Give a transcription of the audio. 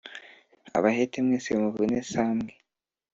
abahete mwese muvune sambwe